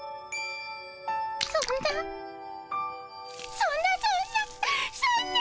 そんなそんなそんなそんな！